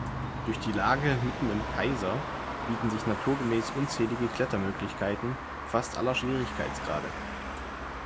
Durch die Lage mitten im "Kaiser" bieten sich naturgemäß unzählige Klettermöglichkeiten fast aller Schwierigkeitsgrade.